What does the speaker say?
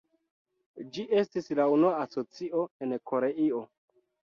Ĝi estis la unua Asocio en Koreio.